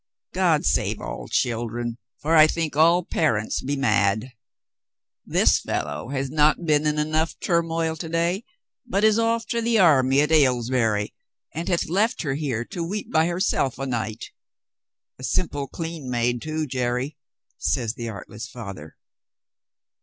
God save all children, for I think all par ents be mad. This fellow has not been in enough turmoil to day, but is off to the army at Aylesbury, and hath left her here to weep by herself a night. A simple, clean maid, too, Jerry," says the artless father.